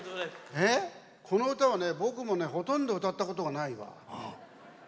この歌は僕もほとんど歌ったことがないわ。